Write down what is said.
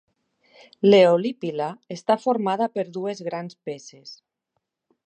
L'eolípila està formada per dues grans peces.